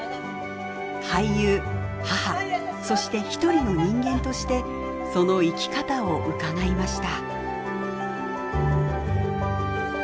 俳優母そして一人の人間としてその生き方を伺いました